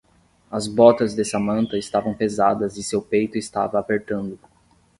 As botas de Samantha estavam pesadas e seu peito estava apertando.